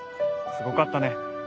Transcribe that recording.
すごかったね